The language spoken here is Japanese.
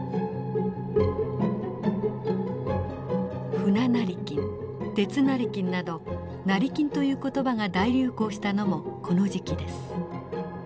船成金鉄成金など成金という言葉が大流行したのもこの時期です。